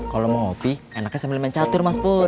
kok nanya dia bisa nyara